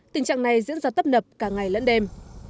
tình trạng này diễn ra tấp nập cả ngày lẫn đêm